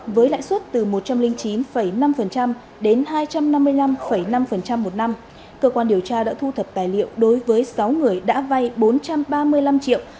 với lãi suất từ một trăm linh chín năm đến hai trăm năm mươi năm năm một năm cơ quan điều tra đã thu thập tài liệu đối với sáu người đã vay bốn triệu đồng